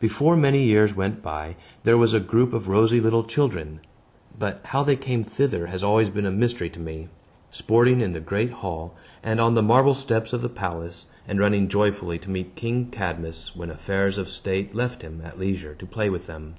Before many years went by, there was a group of rosy little children (but how they came thither has always been a mystery to me) sporting in the great hall, and on the marble steps of the palace, and running joyfully to meet King Cadmus when affairs of state left him at leisure to play with them.